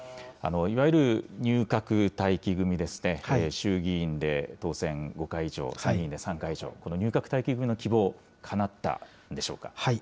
いわゆる入閣待機組ですね、衆議院で当選５回以上、参議院で３回以上、この入閣待機組の希望、かなったんでしょうか。